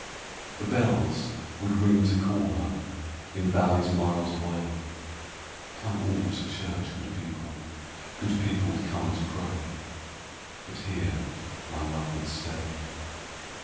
The bells would ring to call her In valleys miles away: "Come all to church, good people; Good people, come and pray." But here my love would stay.